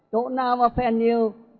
chỗ nào mà phen nhiều